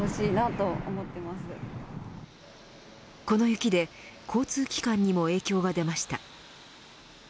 この雪で交通機関にも影響が出ました。